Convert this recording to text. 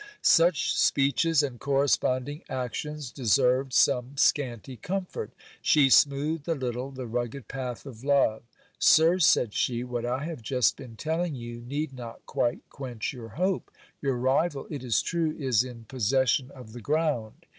Such speeches and corresponding actions deserved some scanty comfort. She smoothed a little the rugged path of love. Sir, said she, what I have just been telling you need not quite quench your hope. Your rival, it is true, is in pos HISTORY OF DON GASTON DE COGOLLOS. 319 session of the ground.